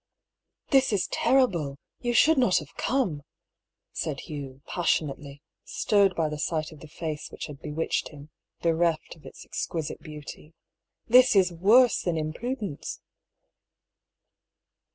" This is terrible — ^you should not have come !" said Hugh, passionately, stirred by the sight of the face which had bewitched him, bereft of its exquisite beauty, " This is worse than imprudence